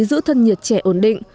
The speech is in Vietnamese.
giữ thân nhiệt trẻ ổn định